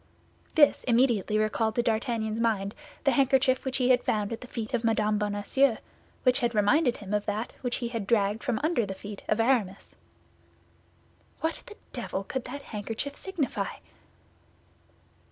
This immediately recalled to D'Artagnan's mind the handkerchief which he had found at the feet of Mme. Bonacieux, which had reminded him of that which he had dragged from under the feet of Aramis. "What the devil could that handkerchief signify?"